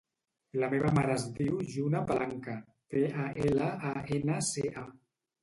La meva mare es diu Juna Palanca: pe, a, ela, a, ena, ce, a.